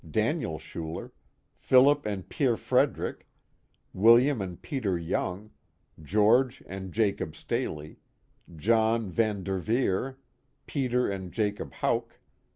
Daniel Schuler, Philip and Peer Frederick, William and Peter Young, George and Jacob Staley, John Van Dcrveer, Peter and Jacob Houck.